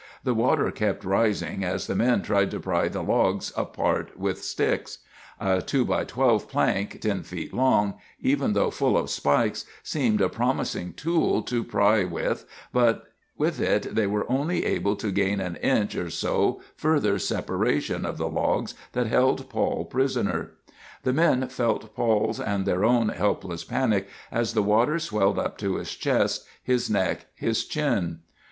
The water kept rising as the men tried to pry the logs apart with sticks. A 2 × 12 plank, ten feet long, even though full of spikes, seemed a promising tool to pry with, but with it they were only able to gain an inch or so further separation of the logs that held Paul prisoner. The men felt Paul's and their own helpless panic as the water swelled up to his chest, his neck, his chin.